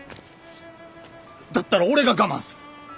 だったら俺が我慢する。